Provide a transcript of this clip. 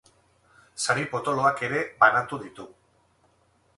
Sari potoloak ere banatu ditu.